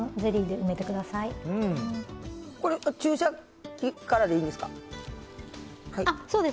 注射器からでいいです。